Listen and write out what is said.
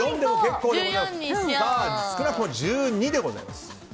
少なくとも１２でございます。